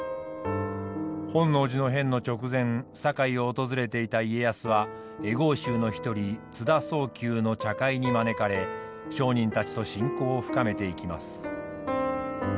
本能寺の変の直前堺を訪れていた家康は会合衆の一人津田宗及の茶会に招かれ商人たちと親交を深めていきます。